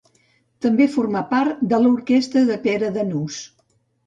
També formà part de l'orquestra de Pere Danús.